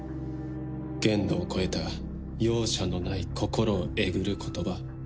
限度を超えた容赦のない心をえぐる言葉。